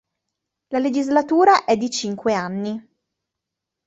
La legislatura è di cinque anni.